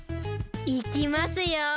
いきますよ。